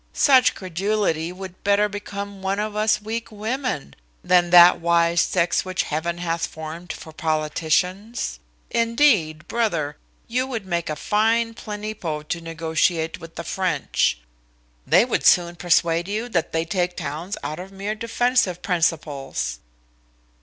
Such credulity would better become one of us weak women, than that wise sex which heaven hath formed for politicians. Indeed, brother, you would make a fine plenipo to negotiate with the French. They would soon persuade you, that they take towns out of mere defensive principles."